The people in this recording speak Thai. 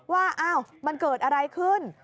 ว่ามันเกิดอะไรขึ้น